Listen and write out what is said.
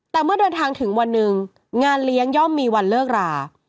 แต่เมื่อเดินทางถึงวันหนึ่งงานเลี้ยงย่อมมีวันเลิกรา